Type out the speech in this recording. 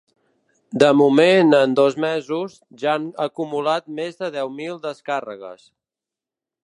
De moment, en dos mesos, ja han acumulat més de deu mil descàrregues.